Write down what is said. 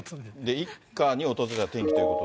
一家に訪れた転機ということで。